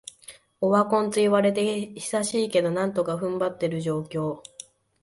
オワコンと言われて久しいけど、なんとか踏ん張ってる状況